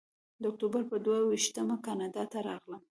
د اکتوبر پر دوه ویشتمه کاناډا ته راغلم.